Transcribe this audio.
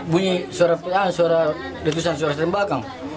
banyak suara letupan suara letupan suara tembak